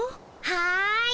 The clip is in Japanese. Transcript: はい。